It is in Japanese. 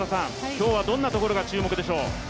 今日はどんなところが注目でしょう？